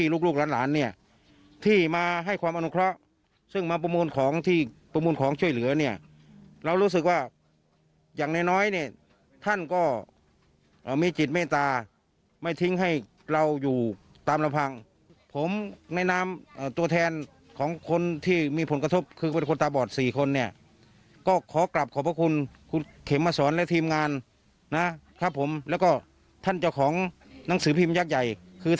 ลูกลูกหลานเนี่ยที่มาให้ความอนุเคราะห์ซึ่งมาประมูลของที่ประมูลของช่วยเหลือเนี่ยเรารู้สึกว่าอย่างน้อยเนี่ยท่านก็มีจิตเมตตาไม่ทิ้งให้เราอยู่ตามลำพังผมในนามตัวแทนของคนที่มีผลกระทบคือคนตาบอดสี่คนเนี่ยก็ขอกลับขอบพระคุณคุณเขมมาสอนและทีมงานนะครับผมแล้วก็ท่านเจ้าของหนังสือพิมพ์ยักษ์ใหญ่คือ